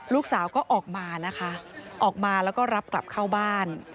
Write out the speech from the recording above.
ลูกสาวก็ออกมานะคะออกมาแล้วก็รับกลับเข้าบ้าน